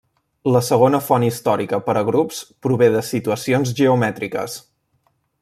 La segona font històrica per a grups prové de situacions geomètriques.